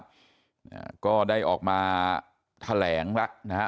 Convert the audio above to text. อ่าก็ได้ออกมาแถลงแล้วนะฮะ